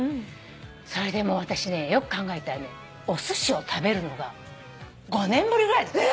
それで私よく考えたらねおすしを食べるのが５年ぶりぐらいだったの。